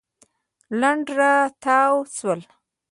لنډ راتاو شول.